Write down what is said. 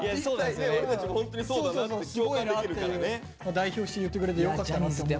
代表して言ってくれてよかったなと思う。